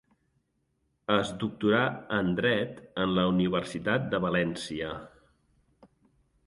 Es doctorà en Dret en la Universitat de València.